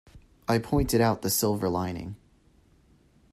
I pointed out the silver lining.